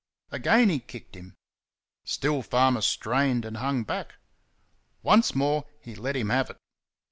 Again he kicked him. Still Farmer strained and hung back. Once more he let him have it.